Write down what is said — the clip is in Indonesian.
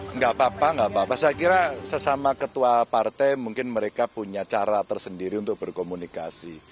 nggak apa apa nggak apa apa saya kira sesama ketua partai mungkin mereka punya cara tersendiri untuk berkomunikasi